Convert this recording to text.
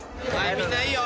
みんないいよ。